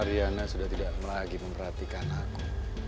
karena sudah tidak lagi memperhatikan aku